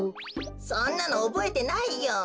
そんなのおぼえてないよ。